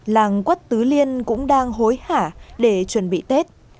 làng quất tứ liên cũng đang hối hả để chuẩn bị tết